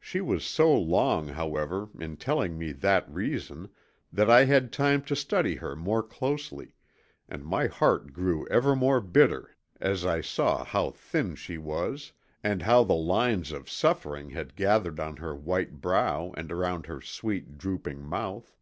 She was so long, however, in telling me that reason that I had time to study her more closely, and my heart grew ever more bitter as I saw how thin she was and how the lines of suffering had gathered on her white brow and around her sweet, drooping mouth.